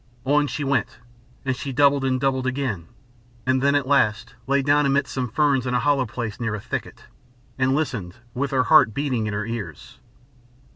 On she went, and she doubled and doubled again, and then at last lay down amidst some ferns in a hollow place near a thicket, and listened with her heart beating in her ears.